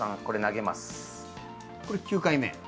これ、９回目。